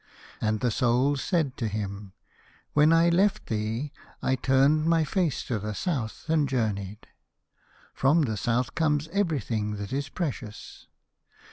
And the Soul said to him, " When I left thee, I turned my face to the South and journeyed. From the South cometh every thing that is precious.